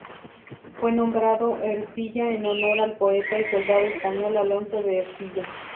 Fue nombrado Ercilla en honor al poeta y soldado español Alonso de Ercilla.